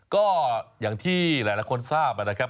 ก็อย่างที่หลายคนทราบนะครับ